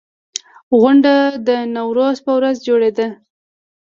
غونډه د نوروز په ورځ جوړېده.